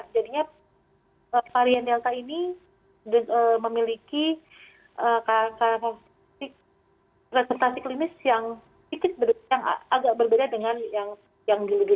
jadinya varian delta ini memiliki resertasi klinis yang agak berbeda dengan yang dulu